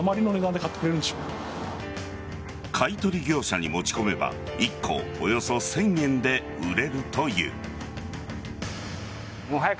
買い取り業者に持ち込めば１個およそ１０００円で売れるという。